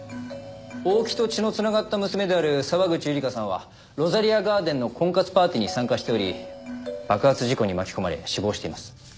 大木と血の繋がった娘である沢口百合香さんはロザリアガーデンの婚活パーティーに参加しており爆発事故に巻き込まれ死亡しています。